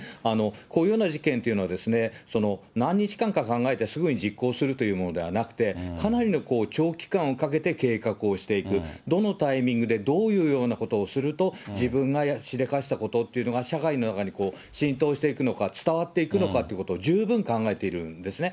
こういうような事件というのは、何日間か考えて、すぐに実行するというものではなくて、かなりの長期間をかけて計画をしていく、どのタイミングでどういうようなことをすると、自分がしでかしたことっていうのが、社会の中に浸透していくのか、伝わっていくのかということを十分考えているんですね。